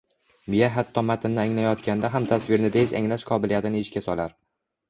Miya hatto matnni anglayotganda ham tasvirni tez anglash qobiliyatini ishga solar